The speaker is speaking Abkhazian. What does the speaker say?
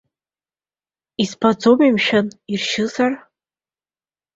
Избаӡомеи, мшәан, иршьызар?